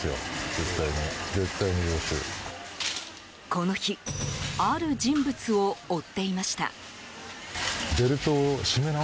この日、ある人物を追っていました。